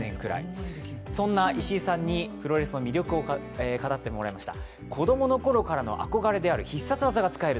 そんな石井さんにプロレスの魅力を語ってもらいました。